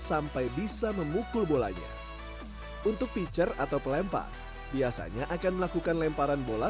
sampai bisa memukul bolanya untuk picture atau pelempar biasanya akan melakukan lemparan bola